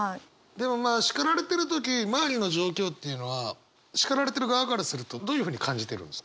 でもまあ叱られてる時周りの状況っていうのは叱られてる側からするとどういうふうに感じてるんですか？